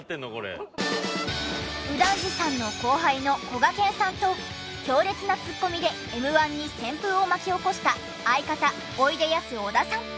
右團次さんの後輩のこがけんさんと強烈なツッコミでＭ−１に旋風を巻き起こした相方おいでやす小田さん。